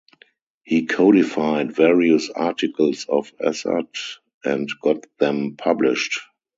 He codified various articles of Azad and got them published.